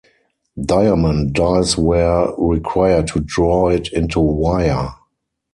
Diamond dies were required to draw it into wire.